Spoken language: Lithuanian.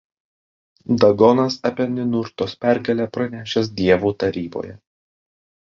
Dagonas apie Ninurtos pergalę pranešęs dievų taryboje.